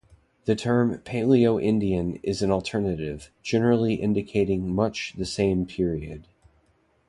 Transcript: The term Paleo-Indian is an alternative, generally indicating much the same period.